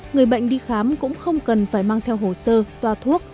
người bệnh đi khám cũng không cần phải mang theo hồ sơ toa thuốc